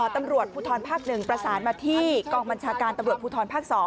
ตำรวจภูทรภาค๑ประสานมาที่กองบัญชาการตำรวจภูทรภาค๒